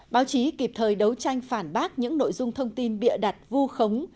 báo chí kịp thời đấu tranh phản bác những nội dung thông tin bịa đặt vu khống